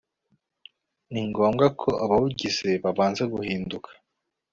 ni ngombwe ko abawugize babanza guhinduka